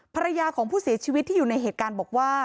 ภรรยาของผู้เสียชีวิตที่อยู่ในเหตุการณ์บอกว่า